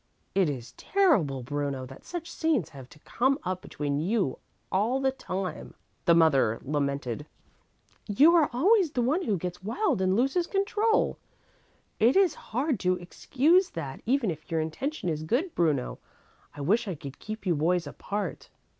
"It is terrible, Bruno, that such scenes have to come up between you all the time," the mother lamented. "You are always the one who gets wild and loses control. It is hard to excuse that, even if your intention is good, Bruno. I wish I could keep you boys apart."